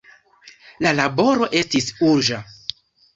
La laboro estis urĝa.